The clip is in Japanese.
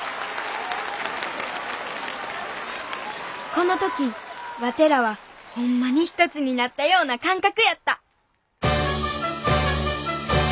この時ワテらはホンマに一つになったような感覚やった！